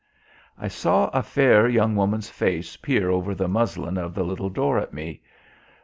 I saw a fair young woman's face peer over the muslin of the little door at me.